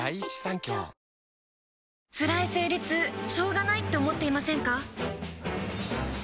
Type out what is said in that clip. つらい生理痛しょうがないって思っていませんか？